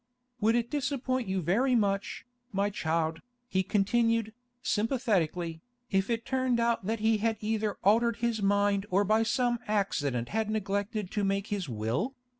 'Would it disappoint you very much, my child,' he continued, sympathetically, 'if it turned out that he had either altered his mind or by some accident had neglected to make his will?